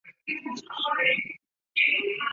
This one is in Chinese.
影片发表后获多项国内外奖项肯定。